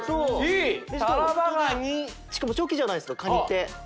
しかもチョキじゃないですかカニって！